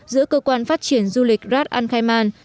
giữa cơ quan phát triển du lịch ras al khaimah